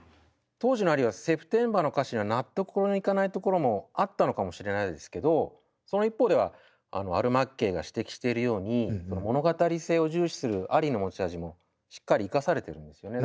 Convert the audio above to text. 当時のアリーは「Ｓｅｐｔｅｍｂｅｒ」の歌詞には納得のいかないところもあったのかもしれないですけどその一方ではアル・マッケイが指摘しているように物語性を重視するアリーの持ち味もしっかり生かされてるんですよね。